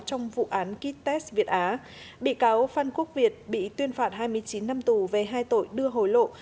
trong vụ án kites việt á bị cáo phan quốc việt bị tuyên phạt hai mươi chín năm tù về hai tội đưa hối lộ